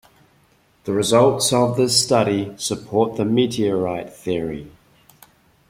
The results of this study support the meteorite theory.